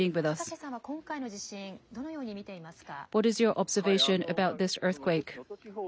佐竹さんは今回の地震、どのように見ていますか。